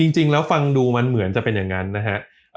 จริงแล้วฟังดูมันเหมือนจะเป็นอย่างนั้นนะฮะ